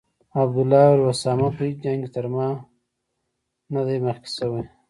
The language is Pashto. عبدالله وویل: اسامه په هیڅ جنګ کې تر ما نه دی مخکې شوی.